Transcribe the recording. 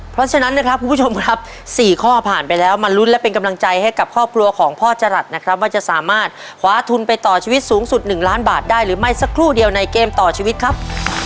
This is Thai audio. เพราะฉะนั้นนะครับคุณผู้ชมครับ๔ข้อผ่านไปแล้วมาลุ้นและเป็นกำลังใจให้กับครอบครัวของพ่อจรัสนะครับว่าจะสามารถคว้าทุนไปต่อชีวิตสูงสุด๑ล้านบาทได้หรือไม่สักครู่เดียวในเกมต่อชีวิตครับ